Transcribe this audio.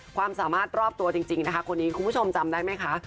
ความสามารถรอบตัวจริงนะคะคนนี้คุณผู้ชมจำได้ไหมคะ